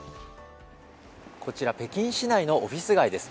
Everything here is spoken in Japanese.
こちら、北京市内のオフィス街です。